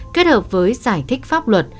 kết hợp với giải thích pháp luật